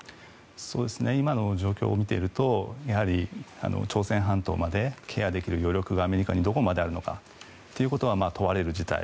今の状況を見ているとやはり朝鮮半島までケアできる余力がアメリカにどこまであるのかということは問われる事態。